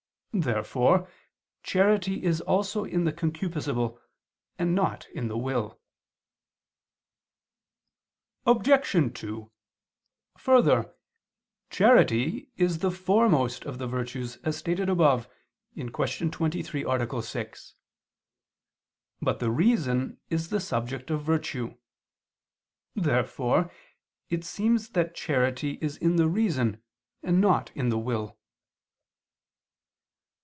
Therefore charity is also in the concupiscible and not in the will. Obj. 2: Further, charity is the foremost of the virtues, as stated above (Q. 23, A. 6). But the reason is the subject of virtue. Therefore it seems that charity is in the reason and not in the will.